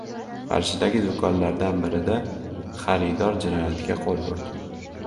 Qarshidagi do‘konlardan birida xaridor jinoyatga qo‘l urdi